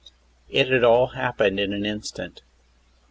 It had all happened in an instant.